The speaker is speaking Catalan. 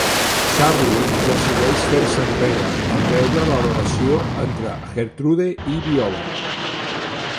Charlie decideix fer-se enrere en veure la relació entre Gertrude i Viola.